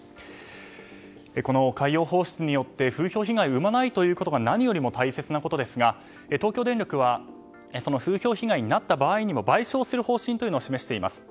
この海洋放出によって風評被害を生まないということが何よりも大切なことですが東京電力はその風評被害になった場合にも賠償する方針を示しています。